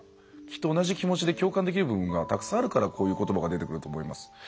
きっと同じ気持ちで共感できる部分がたくさんあるからこういう言葉が出てくると思います。